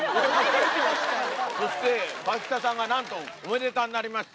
そして、河北さんがなんとおめでたになりまして。